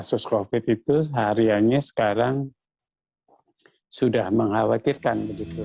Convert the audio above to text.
kasus covid itu sehariannya sekarang sudah mengkhawatirkan